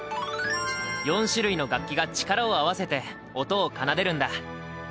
４種類の楽器が力を合わせて音を奏でるんだ。